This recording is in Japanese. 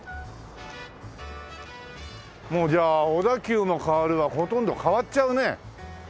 もうじゃあ小田急も変わるわほとんど変わっちゃうね。